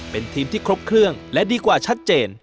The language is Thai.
เป็นทีมที่ครบเครื่องและดีกว่าชัดเจน